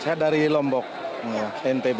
saya dari lombok ntb